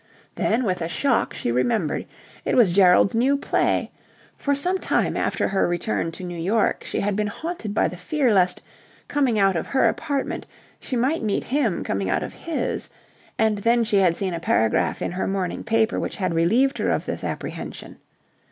Then, with a shock, she remembered. It was Gerald's new play. For some time after her return to New York, she had been haunted by the fear lest, coming out of her apartment, she might meet him coming out of his; and then she had seen a paragraph in her morning paper which had relieved her of this apprehension.